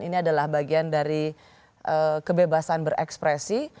ini adalah bagian dari kebebasan berekspresi